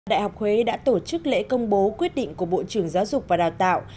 đại học huế đã tổ chức lễ công bố quyết định của bộ trưởng giáo dục và đào tạo